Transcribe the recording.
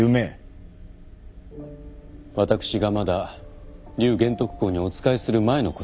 私がまだ劉玄徳公にお仕えする前のことです。